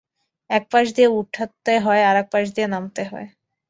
একপাশ দিয়ে উঠতে হয়, আরেক পাশ দিয়ে নামতে হয়।